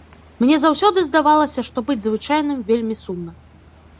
Мне заўсёды здавалася, што быць звычайным вельмі сумна.